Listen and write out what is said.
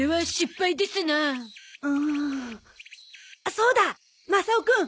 そうだマサオくん。